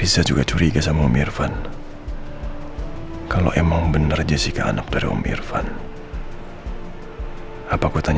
saya tidak dapat menjawab apa apa dari randy